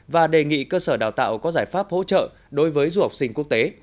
và đề nghị cơ sở đào tạo có giải pháp hỗ trợ đối với du học sinh quốc tế